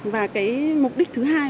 và cái mục đích thứ hai